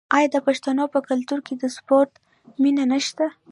آیا د پښتنو په کلتور کې د سپورت مینه نشته؟